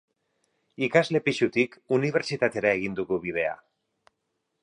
Ikasle pisutik unibertsitatera egin dugu bidea.